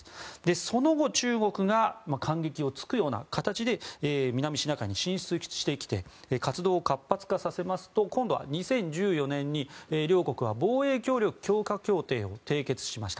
その後、中国が間隙を突くような形で南シナ海に進出してきて活動を活発化させますと今度は２０１４年に両国は防衛協力強化協定を締結しました。